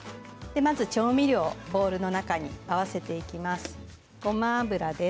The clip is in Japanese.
まず調味料、ボウルの中に合わせていきます。